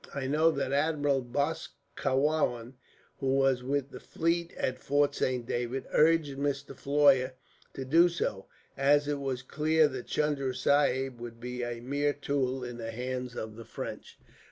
I know that Admiral Boscawen, who was with the fleet at Fort Saint David, urged Mr. Floyer to do so, as it was clear that Chunda Sahib would be a mere tool in the hands of the French.